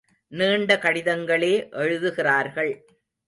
நீண்ட கடிதங்களே எழுதுகிறார்கள்.